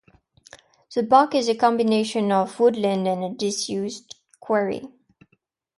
The park is a combination of woodland and a disused quarry.